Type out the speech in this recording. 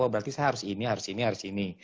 berarti saya harus ini harus ini harus ini